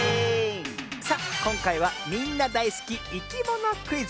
さあこんかいはみんなだいすきいきものクイズ。